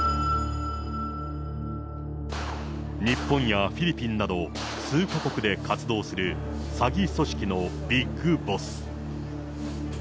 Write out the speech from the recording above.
日本やフィリピンなど、数か国で活動する詐欺組織のビッグボス。